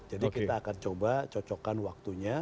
jadi kita akan coba cocokkan waktunya